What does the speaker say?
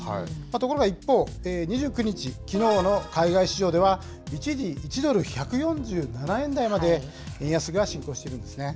ところが一方、２９日、きのうの海外市場では、一時１ドル１４７円台まで円安が進行しているんですね。